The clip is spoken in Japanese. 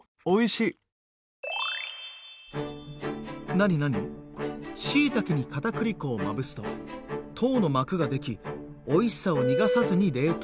「しいたけに片栗粉をまぶすと糖の膜が出来おいしさを逃がさずに冷凍できる」。